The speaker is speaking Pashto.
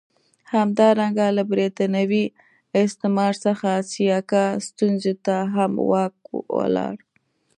همدارنګه له برېتانوي استعمار څخه سیاکا سټیونز ته هم واک ولاړ.